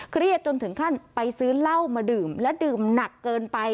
เครียดจนถึงขั้นไปซื้อเหล้ามาดื่มและดื่มหนักเกินไป